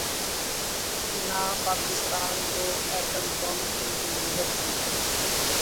نہ پاکستان کو atom bomb کی ضرورت تھی۔